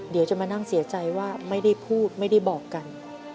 เดี๋ยวจะมานั่งเสียใจว่าไม่ได้พูดไม่ได้บอกกัน